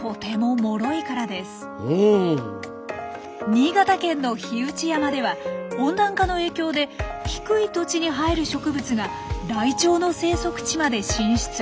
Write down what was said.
新潟県の火打山では温暖化の影響で低い土地に生える植物がライチョウの生息地まで進出。